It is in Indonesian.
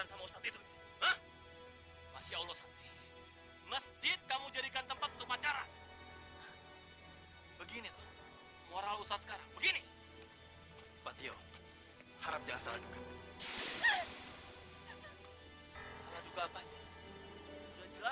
sampai jumpa di video selanjutnya